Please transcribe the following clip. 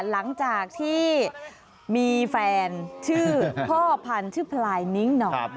หลังจากที่มีแฟนชื่อพ่อพันธุ์ชื่อพลายนิ้งหน่อ